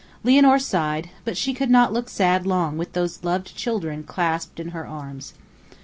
Lianor sighed, but she could not look sad long with those loved children clasped in her arms.